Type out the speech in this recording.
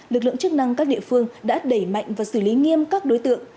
lực lượng chức năng các địa phương đã đẩy mạnh và xử lý nghiêm các đối tượng